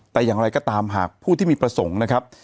แต่อย่างไรก็ตามหากผู้ที่มีประสงค์นะครับ